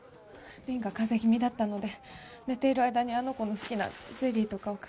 凛が風邪気味だったので寝ている間にあの子の好きなゼリーとかを買いに。